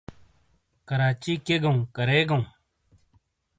کراچی کِیئے گَؤں، کَرے گَؤں؟